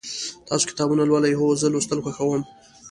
تاسو کتابونه لولئ؟ هو، زه لوستل خوښوم